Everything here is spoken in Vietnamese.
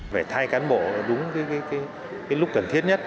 phải thay cán bộ đúng cái lúc cần thiết nhất